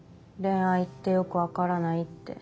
恋愛ってよく分からないって。